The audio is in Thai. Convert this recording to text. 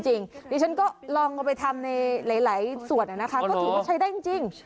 ดิฉันก็ลองเอาไปทำในหลายส่วนนะคะก็ถือว่าใช้ได้จริง